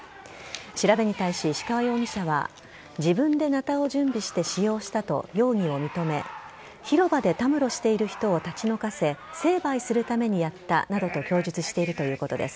調べに対し、石川容疑者は自分でなたを準備して使用したと容疑を認め広場でたむろしている人を立ち退かせ成敗するためにやったなどと供述しているということです。